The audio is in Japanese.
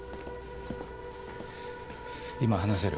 今話せる？